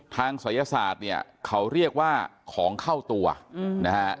ศัยศาสตร์เนี่ยเขาเรียกว่าของเข้าตัวนะฮะ